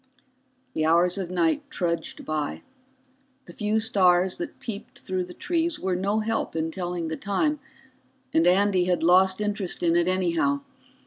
The hours of night trudged by. The few stars that peeped through the trees were no help in telling the time, and Andy had lost interest in it anyhow.